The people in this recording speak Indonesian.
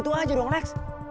gitu aja dong lex